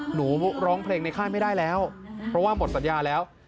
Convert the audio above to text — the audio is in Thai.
หนูร้องเพลงในค่ายไม่ได้แล้วเพราะว่าหมดสัญญาแล้ว